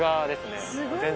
全然。